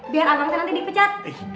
biar abang nanti dipecat